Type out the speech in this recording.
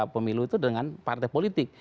pemilu itu dengan partai politik